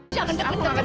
jangan jangan jangan